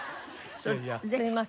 すいません。